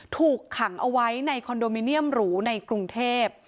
ถูกขังเอาไว้ในคอนโดมิเนียมหรูในกรุงเทพ